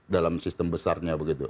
dalam sistem besarnya begitu